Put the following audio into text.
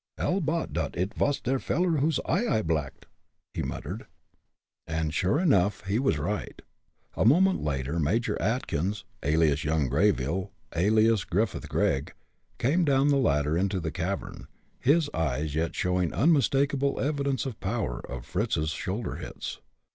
"I'll bet dot id vas der veller whose eye I blacked," he muttered. And, sure enough, he was right. A moment later, Major Atkins, alias young Greyville, alias Griffith Gregg, came down the ladder into the cavern, his eyes yet showing unmistakable evidence of the power of Fritz's shoulder hits.